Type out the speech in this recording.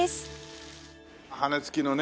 羽根つきのね。